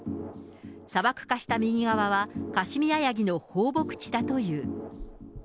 砂漠化した右側はカシミヤヤギの放牧地だという。